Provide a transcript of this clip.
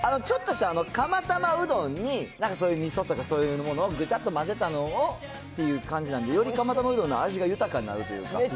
ちょっとした、釜玉うどんになんかそういうみそとか、そういうものをぐちゃっと混ぜたのをっていう感じなんで、より釜玉うどんの味が豊かになるっていうか。